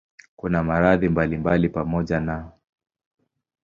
Kuna maradhi mbalimbali pamoja na